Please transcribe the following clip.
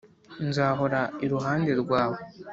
nzahora iruhande rwawe.